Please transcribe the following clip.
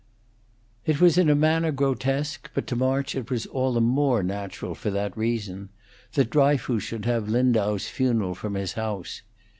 It was in a manner grotesque, but to March it was all the more natural for that reason, that Dryfoos should have Lindau's funeral from his house.